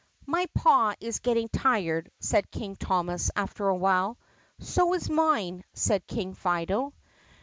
"My paw is getting tired," said King Thomas after a while. "So is mine," said King Fido.